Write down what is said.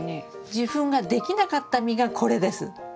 受粉ができなかった実がこれです。